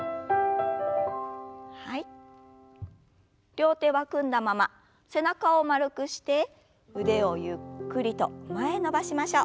両手は組んだまま背中を丸くして腕をゆっくりと前へ伸ばしましょう。